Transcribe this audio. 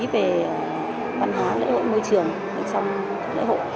về văn hóa lễ hội môi trường trong lễ hội